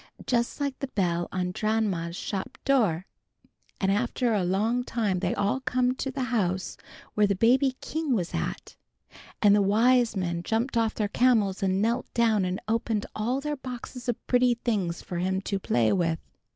just like the bell on Dranma's shop door. An' after a long time they all comed to the house where the baby king was at. Nen the wise men jumped off their camels and knelt down and opened all their boxes of pretty things for Him to play with.